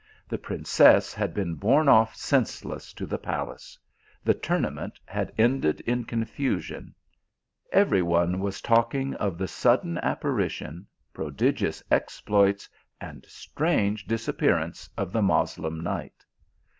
The princess had been borne off sense 216 THE ALHAMBRA. less to the palace ; the tournament had ended in con fusion ; every one was talking of the su Men appari tion, prodigious exploits, and strange disappearance of the Moslem knight.